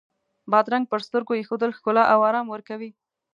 بادرنګ پر سترګو ایښودل ښکلا او آرام ورکوي.